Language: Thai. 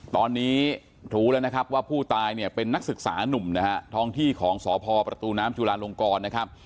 ตอนนี้ถูกว่าผู้ตายเป็นนักศึกษาหนุ่มท้องที่ของสพประตูน้ำจุฬานลงกร